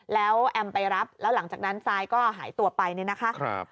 แล้วแอมไปรับแล้วหลังจากนั้นซายก็หายตัวไปเนี่ยนะคะ